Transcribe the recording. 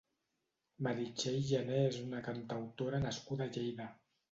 Meritxell Gené és una cantautora nascuda a Lleida.